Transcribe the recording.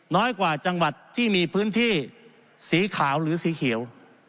น้อยกว่าจังหวัดที่มีพื้นที่สีขาวหรือสีเขียว